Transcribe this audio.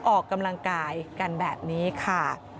ออกกำลังกายกันแบบนี้ค่ะ